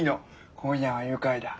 今夜は愉快だ。